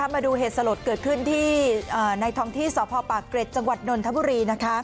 มาดูเหตุสลดเกิดขึ้นที่ในท้องที่สพปากเกร็จจังหวัดนนทบุรี